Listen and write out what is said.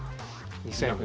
２００年。